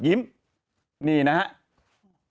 ยิ้มนี่นะครับ